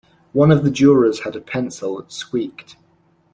One of the jurors had a pencil that squeaked.